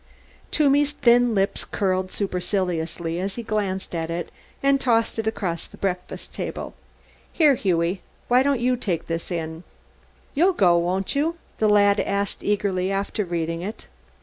Toomey's thin lips curled superciliously as he glanced at it and tossed it across the breakfast table: "Here, Hughie, why don't you take this in?" "You'll go, won't you?" the lad asked eagerly after reading it.